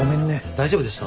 大丈夫でした？